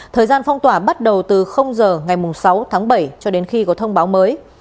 thời gian phong tỏa bắt đầu từ giờ ngày sáu tháng bảy cho đến khi có thông báo mới